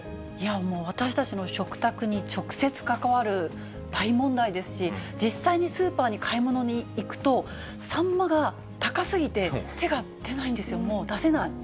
もう、私たちの食卓に直接関わる大問題ですし、実際にスーパーに買い物に行くと、サンマが高すぎて、手が出ないんですよ、もう出せない。